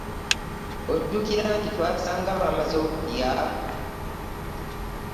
Ojjukira nti twasanga bamaze okulya?